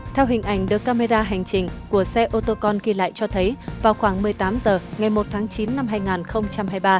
theo hình ảnh được camera hành trình của xe ô tô con ghi lại cho thấy vào khoảng một mươi tám h ngày một tháng chín năm hai nghìn hai mươi ba